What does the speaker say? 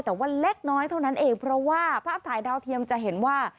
แต่ว่าเล็กน้อยเท่านั้นเองเพราะว่าภาพถ่ายดาวเทียมจะเห็นว่า